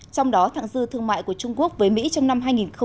trong đó thẳng dư thương mại của trung quốc với mỹ trong năm hai nghìn một mươi tám